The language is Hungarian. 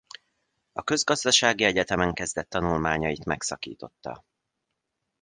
A Közgazdasági Egyetemen kezdett tanulmányait megszakította.